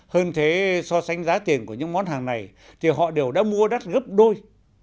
hơn thế so sánh giá tiền của những món hàng này thì họ đều đã mua đắt gấp đôi